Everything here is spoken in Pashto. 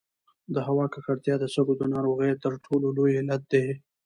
د هوا ککړتیا د سږو د ناروغیو تر ټولو لوی علت دی.